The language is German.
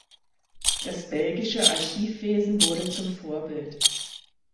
Das belgische Archivwesen wurde zum Vorbild.